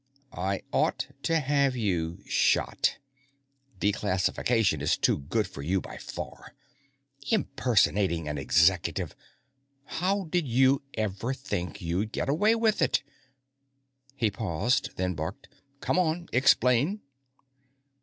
"I ought to have you shot. Declassification is too good for you by far. Impersonating an Executive! How did you ever think you'd get away with it?" He paused, then barked: "Come on! Explain!"